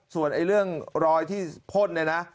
ส่วนเรื่องรอยที่พ่นเนี่ยนะ